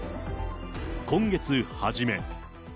今月初め。